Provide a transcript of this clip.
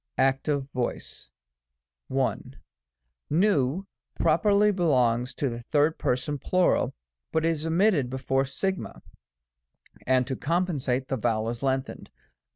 active voice. 1. N properly belongs to the 3d Person Plur., but is omitted before o (see §8. 5) ; and to compensate, the vowel is lengthened.